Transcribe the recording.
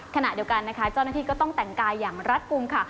ขณะเดียวกันนะคะเจ้าหน้าที่ก็ต้องแต่งกายอย่างรัฐกลุ่มค่ะ